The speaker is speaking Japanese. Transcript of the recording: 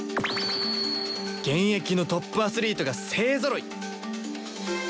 現役のトップアスリートが勢ぞろい！